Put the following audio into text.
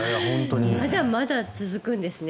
まだまだ続くんですね。